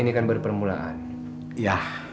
yangigned travel order dalam masa complaint